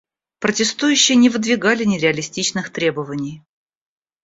Протестующие не выдвигали нереалистичных требований.